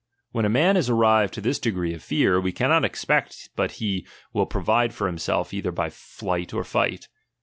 When a man is arrived to this degree of fear, we cannot expect but he will provide for himself either by flight or fight.